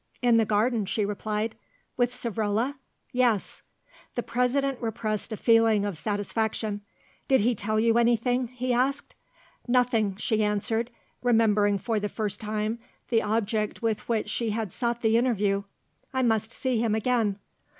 "In the garden," she replied. "With Savrola?" "Yes." The President repressed a feeling of satisfaction. "Did he tell you anything?" he asked. "Nothing," she answered, remembering for the first time the object with which she had sought the interview; "I must see him again."